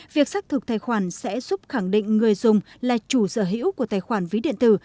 việc xác thực tài khoản sẽ giúp khẳng định người dùng là chủ sở hữu của tài khoản ví điện tử